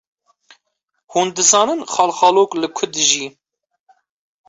Hûn dizanin xalxalok li ku dijî?